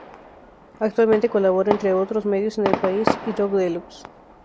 Actualmente colabora, entre otros medios, en "El País" y "Rockdelux".